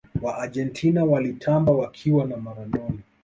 waargentina walitamba wakiwa na maradona